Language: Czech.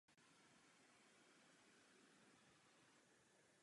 V češtině znamená tolik co vojevůdce.